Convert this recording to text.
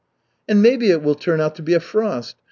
"And maybe it will turn out to be a frost.